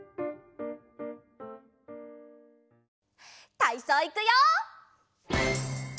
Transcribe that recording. たいそういくよ！